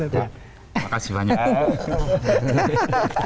terima kasih banyak